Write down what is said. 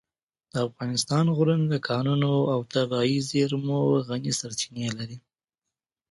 د افغانستان غرونه د کانونو او طبیعي زېرمو غني سرچینې لري.